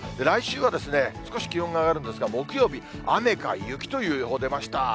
来週は、少し気温が上がるんですが、木曜日、雨か雪という予報出ました。